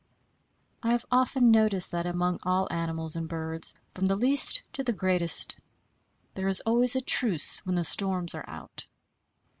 I have often noticed that among all animals and birds, from the least to the greatest, there is always a truce when the storms are out.